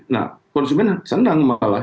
nah konsumen senang malah